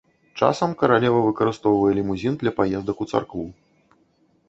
Часам каралева выкарыстоўвае лімузін для паездак у царкву.